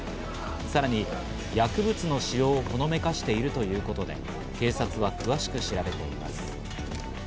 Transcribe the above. さらに薬物の使用をほのめかしているということで、警察が詳しく調べています。